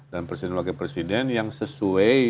dan presiden wakil presiden yang sesuai